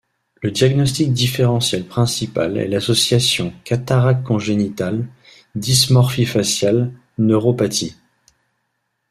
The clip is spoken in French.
Le diagnostic différentiel principal est l'association cataracte congénitale - dysmorphie faciale - neuropathie.